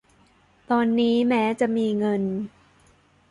ตอนนี้ แม้จะมีเงิน